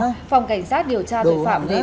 phòng cảnh sát điều tra tội phạm về ma túy